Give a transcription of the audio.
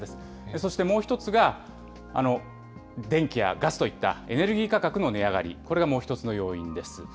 そしてもう１つが電気やガスといったエネルギー価格の値上がり、これがもう１つの要因です。